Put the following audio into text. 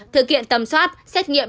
thực hiện tầm soát xét nghiệm